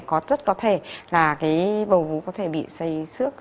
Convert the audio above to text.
có rất có thể là cái bầu gú có thể bị xây sước